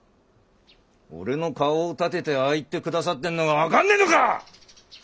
俺の顔を立ててああ言ってくださってんのが分かんねえのか！